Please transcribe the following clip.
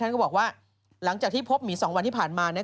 ก็บอกว่าหลังจากที่พบหมี๒วันที่ผ่านมา